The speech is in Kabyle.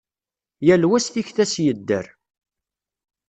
Yal wa s tikta-s yedder.